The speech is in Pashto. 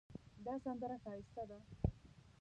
دا سندره ښایسته ده